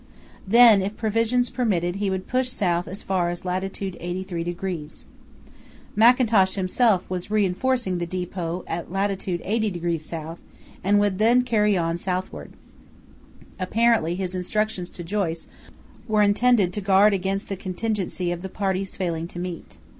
Then if provisions permitted he would push south as far as lat. 83°. Mackintosh himself was reinforcing the depot at lat. 80° S. and would then carry on southward. Apparently his instructions to Joyce were intended to guard against the contingency of the parties failing to meet.